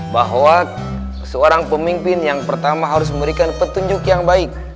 bahwa seorang pemimpin yang pertama harus memberikan petunjuk yang baik